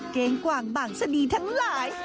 เก้งกว่างบางสนีทั้งหลาย